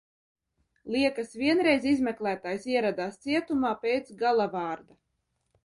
"Liekas vienreiz izmeklētājs ieradās cietumā pēc "gala vārda"."